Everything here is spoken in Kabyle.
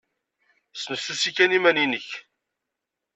Snefsusi kan iman-nnek.